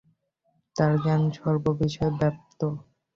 তাঁর জ্ঞান সর্ববিষয়ে ব্যাপ্ত।